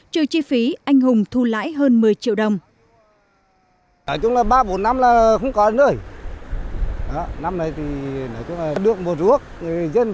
trừ chi phí anh hùng thu lãi hơn một mươi triệu đồng